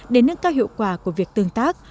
đến nâng cao hiệu quả của việc tương tác